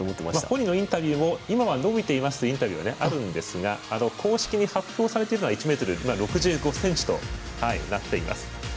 本人のインタビューでも今は伸びていますというインタビューがあるんですが公式で発表しているのは１ｍ６５ｃｍとなっています。